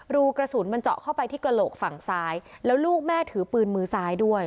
รูกระสุนมันเจาะเข้าไปที่กระโหลกฝั่งซ้ายแล้วลูกแม่ถือปืนมือซ้ายด้วย